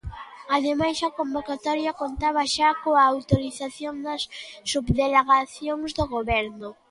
Ademais, a convocatoria contaba xa coa autorización das subdelegacións do Goberno.